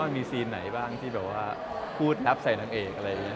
มีซีนไหนบ้างที่แบบว่าพูดนับใส่นางเอกอะไรอย่างนี้